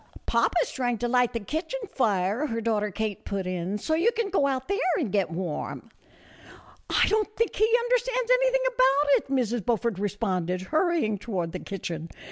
"Papa is trying to light the kitchen fire," her daughter Kate put in, " so you can go out there and get warm." " I don't think he understands anything about it," Mrs. Beaufort responded, hurrying toward the kitchen.